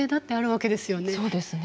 そうですね。